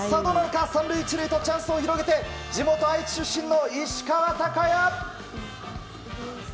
３塁１塁とチャンスを広げて地元・愛知出身の石川昂弥。